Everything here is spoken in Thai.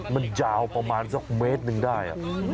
มันยาวประมาณสักเมตรหนึ่งได้